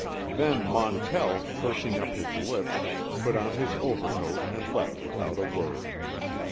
Then Montell, pursing up his lips, put on his overcoat and left without a word.